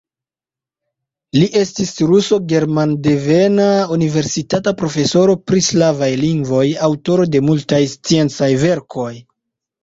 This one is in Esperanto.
Li estis ruso germandevena, universitata profesoro pri slavaj lingvoj, aŭtoro de multaj sciencaj verkoj.